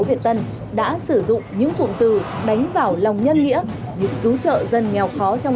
việt tân đã sử dụng những cụm từ đánh vào lòng nhân nghĩa cứu trợ dân nghèo khó trong